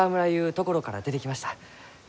ところから出てきました。